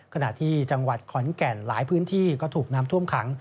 ขณะที่จังหวัดขอนแก่นหลายพื้นที่ก็ถูกน้ำท่วมขัง